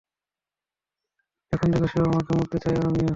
এখন দেখো, সেও তোমাকে মারতে চাই আর আমিও।